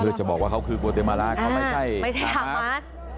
อยากบอกว่าเขาคือโกเตเมลาไม่ใช่ฮามาส